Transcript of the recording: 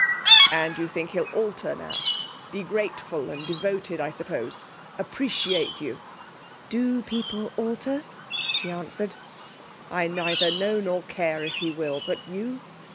'And you think he'll alter, now, be grateful and devoted, I suppose appreciate you?' 'Do people alter?' she answered. 'I neither know nor care if he will, but you?